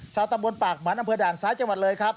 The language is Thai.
ชาวตำบลปากหมันอำเภอด่านซ้ายจังหวัดเลยครับ